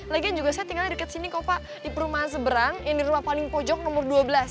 lagian juga saya tinggalnya dekat sini kok pak di perumahan seberang ini rumah paling pojok nomor dua belas